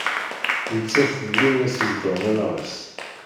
Nettat d win i as-izedɣen allaɣ-is.